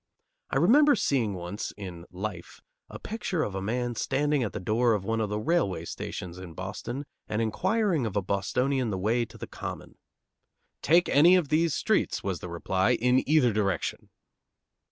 I remember seeing once, in Life, a picture of a man standing at the door of one of the railway stations in Boston and inquiring of a Bostonian the way to the Common. "Take any of these streets," was the reply, "in either direction."